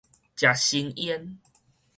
食新嫣